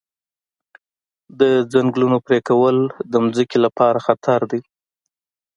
د ځنګلونو پرېکول د ځمکې لپاره خطر دی.